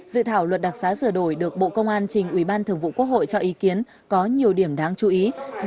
dự thảo luật đặc sá sửa đổi được bộ công an trình ubth cho ý kiến có nhiều điểm đáng chú ý